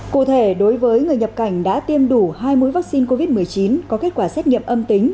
cụ thể đối với người nhập cảnh đã tiêm đủ hai mũi vaccine covid một mươi chín có kết quả xét nghiệm âm tính